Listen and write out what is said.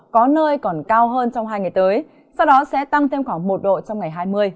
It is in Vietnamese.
có nơi còn cao hơn trong hai ngày tới sau đó sẽ tăng thêm khoảng một độ trong ngày hai mươi